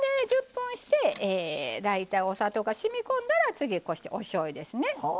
１０分して大体お砂糖がしみこんだら次こうしておしょうゆですね。